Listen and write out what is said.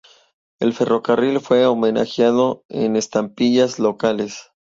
El ferrocarril fue homenajeado en estampillas locales.